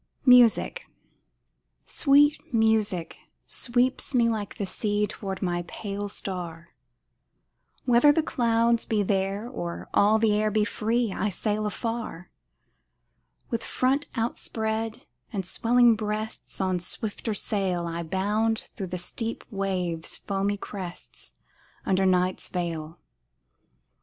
MUSIC Sweet music sweeps me like the sea Toward my pale star, Whether the clouds be there or all the air be free I sail afar. With front outspread and swelling breasts, On swifter sail I bound through the steep waves' foamy crests Under night's veil.